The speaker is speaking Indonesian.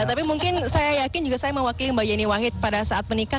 tapi mungkin saya yakin juga saya mewakili mbak yeni wahid pada saat menikah